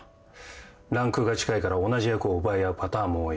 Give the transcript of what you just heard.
ランクが近いから同じ役を奪い合うパターンも多い。